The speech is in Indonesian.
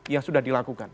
yang sudah dilakukan